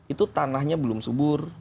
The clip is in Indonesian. itu tanahnya belum subur